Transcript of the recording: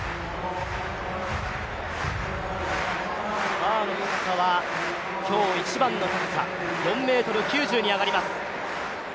バーの高さは今日一番の高さ、４ｍ９０に上がります。